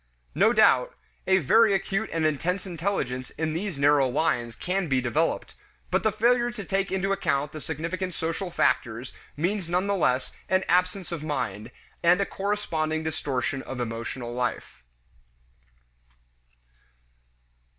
No doubt, a very acute and intense intelligence in these narrow lines can be developed, but the failure to take into account the significant social factors means none the less an absence of mind, and a corresponding distortion of emotional life.